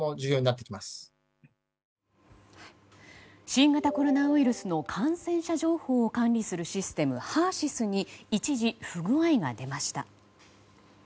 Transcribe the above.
新型コロナウイルスの感染者情報を管理するシステムＨＥＲ‐ＳＹＳに一時、不具合が出ました。